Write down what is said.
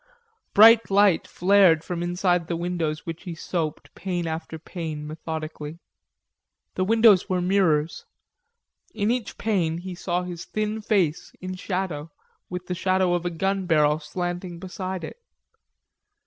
Bright light flared from inside the windows which he soaped, pane after pane, methodically. The windows were mirrors. In each pane he saw his thin face, in shadow, with the shadow of a gun barrel slanting beside it.